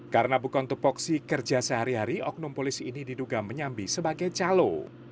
karena bukan tepoksi kerja sehari hari oknum polisi ini diduga menyambi sebagai calo